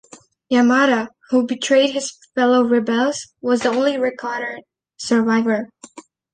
Yamada, who betrayed his fellow rebels, was the only recorded survivor.